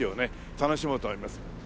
楽しもうと思います。